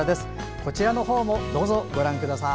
こちらもどうぞご覧ください。